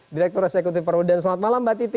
direktur eksekutif perludean selamat malam mbak titi